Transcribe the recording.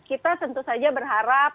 kita tentu saja berharap